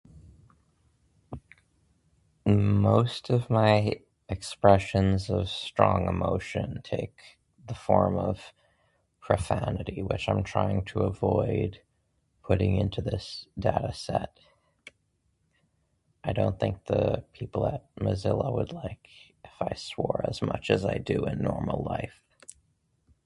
Most of my expressions of strong emotion take the form of profanity, which I'm trying to avoid putting into this data set. I don't think that people at Mozilla would like if I swore as much as I do in normal life.